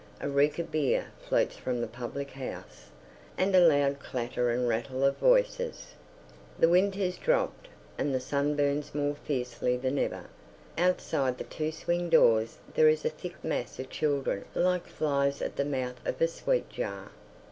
A reek of beer floats from the public house, and a loud clatter and rattle of voices. The wind has dropped, and the sun burns more fiercely than ever. Outside the two swing doors there is a thick mass of children like flies at the mouth of a sweet jar.